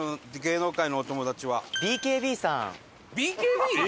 ＢＫＢ？